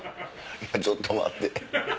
ちょっと待って。